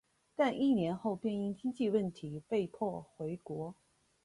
但一年后便因经济问题被迫回国。